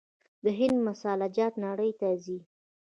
د هند مساله جات نړۍ ته ځي.